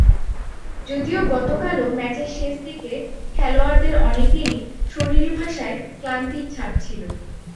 যদিও গতকালও ম্যাচের শেষ দিকে খেলোয়াড়দের অনেকেরই শরীরী ভাষায় ক্লান্তির ছাপ ছিল।